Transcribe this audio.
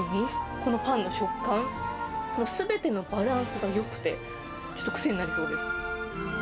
このパンの食感、すべてのバランスがよくて、ちょっと癖になりそうです。